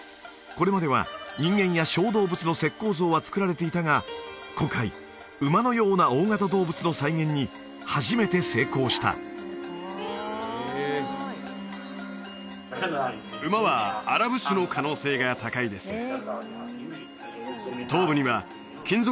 これまでは人間や小動物の石膏像はつくられていたが今回馬のような大型動物の再現に初めて成功した馬はアラブ種の可能性が高いです